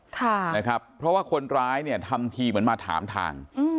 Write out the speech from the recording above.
ค่ะนะครับเพราะว่าคนร้ายเนี่ยทำทีเหมือนมาถามทางอืม